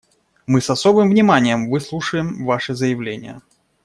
Мы с особым вниманием выслушаем Ваше заявление.